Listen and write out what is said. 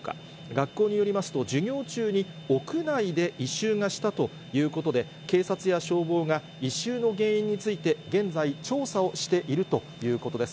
学校によりますと、授業中に、屋内で異臭がしたということで、警察や消防が異臭の原因について現在、調査をしているということです。